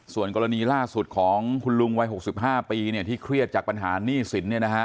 ส่วนกรณีล่าสุดของคุณลุงวัย๖๕ปีที่เครียดจากปัญหาหนี้สิน